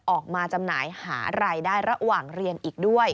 จำหน่ายหารายได้ระหว่างเรียนอีกด้วย